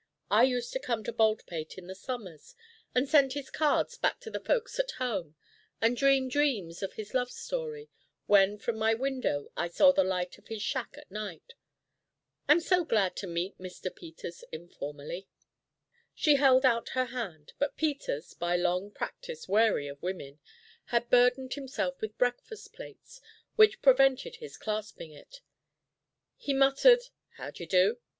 I used to come to Baldpate in the summers, and send his cards back to the folks at home, and dream dreams of his love story when from my window I saw the light of his shack at night. I'm so glad to meet Mr. Peters informally." She held out her hand, but Peters, by long practise wary of women, had burdened himself with breakfast plates which prevented his clasping it. He muttered "How d'ye do?"